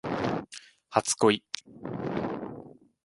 初恋